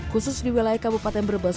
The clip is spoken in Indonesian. khusus di wilayah kabupaten brebes